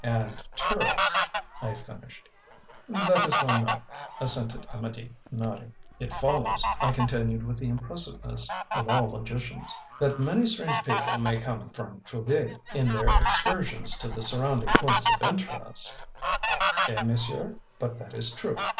"And tourists," I finished. "That is well known," assented Amedee, nodding. "It follows," I continued with the impressiveness of all logicians, "that many strange people may come from Trouville. In their excursions to the surrounding points of interest " "Eh, monsieur, but that is true!"